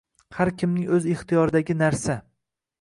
— har kimning o‘z ixtiyoridagi narsa.